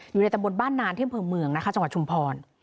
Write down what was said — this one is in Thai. อยู่ในตำรวจบ้านนานเที่ยงเผิงเมืองนะคะจังหวัดชมพร